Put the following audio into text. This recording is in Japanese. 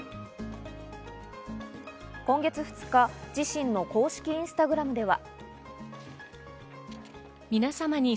今月２日、自身の公式インスタグラムでは。